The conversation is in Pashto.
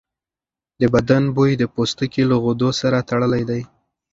د بدن بوی د پوستکي له غدو سره تړلی دی.